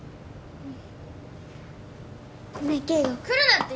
うん。